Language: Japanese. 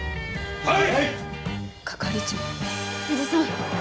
はい！